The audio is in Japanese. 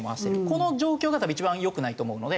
この状況が多分一番良くないと思うので。